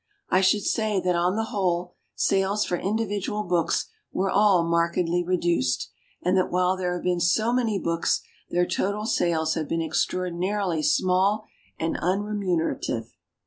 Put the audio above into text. I should say that on the whole sales for individual books were all markedly reduced, and that while there have been so many books their total sales have been extraordinarily small and unremunerative.